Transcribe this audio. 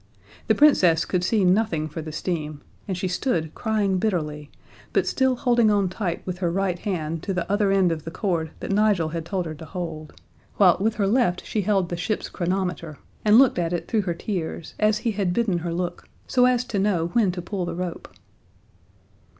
The Princess could see nothing for the steam, and she stood crying bitterly, but still holding on tight with her right hand to the other end of the cord that Nigel had told her to hold; while with her left she held the ship's chronometer, and looked at it through her tears as he had bidden her look, so as to know when to pull the rope.